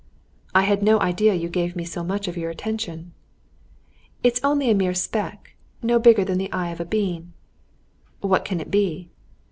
"I had no idea you gave me so much of your attention." "It is only a mere speck, no bigger than the eye of a bean." "What can it be?"